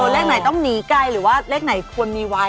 เลขไหนต้องหนีไกลหรือว่าเลขไหนควรมีไว้